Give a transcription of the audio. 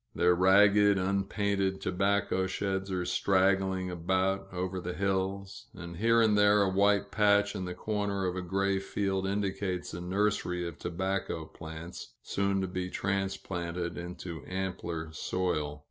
Their ragged, unpainted tobacco sheds are straggling about, over the hills; and here and there a white patch in the corner of a gray field indicates a nursery of tobacco plants, soon to be transplanted into ampler soil.